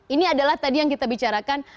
ini adalah tadi yang kita bicarakan